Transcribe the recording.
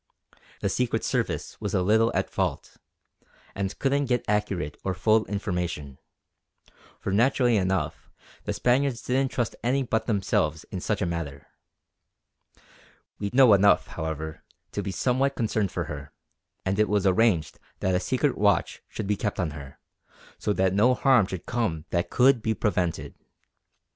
The Secret Service was a little at fault, and couldn't get accurate or full information; for naturally enough the Spaniards didn't trust any but themselves in such a matter. We know enough, however, to be somewhat concerned for her; and it was arranged that a secret watch should be kept on her, so that no harm should come that could be prevented.